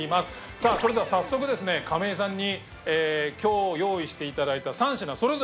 さあそれでは早速ですね亀井さんに今日用意して頂いた３品それぞれ一つずつちょっと。